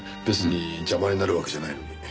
別に邪魔になるわけじゃないのに。